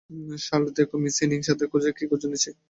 Charlotte, দেখো miss Anning এর সাথে কী খুঁজে এনেছি।